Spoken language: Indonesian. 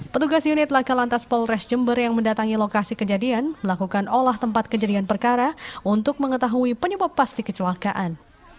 petugas unit laka lantas polres jember yang mendatangi lokasi kejadian melakukan olah tempat kejadian perkara untuk mengetahui penyebab pasti kecelakaan